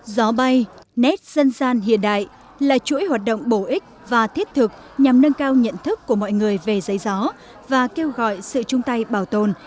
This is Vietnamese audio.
gió bay nét dân gian hiện đại là chuỗi hoạt động bổ ích và thiết thực nhằm nâng cao nhận thức của mọi người về giấy gió và kêu gọi sự chung tay bảo tồn